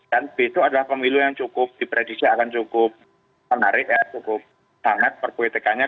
dan begitu adalah pemilu yang cukup diperadisi akan cukup menarik ya cukup sangat perpuitekannya